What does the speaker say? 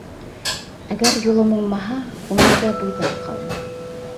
Әгәр юлым уңмаһа... ғүмергә буйҙаҡ ҡалам.